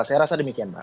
saya rasa demikian